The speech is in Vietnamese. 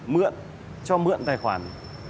mượn cho mượn tài khoản